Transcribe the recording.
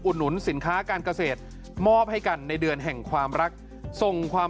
หนุนสินค้าการเกษตรมอบให้กันในเดือนแห่งความรักส่งความ